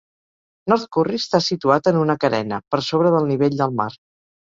North Curry està situat en una carena, per sobre del nivell del mar.